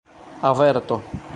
averto